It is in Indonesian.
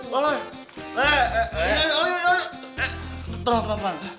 terang terang terang